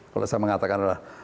kalau saya mengatakan adalah